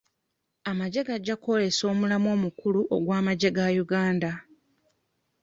Amagye gajja kwolesa omulamwa omukulu ogw'amagye ga Uganda.